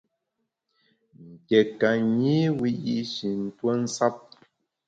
Nké ka nyi wiyi’shi ntuo nsap.